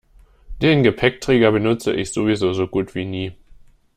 Den Gepäckträger benutze ich sowieso so gut wie nie.